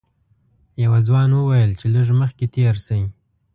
یوه ځوان وویل چې لږ مخکې تېر شئ.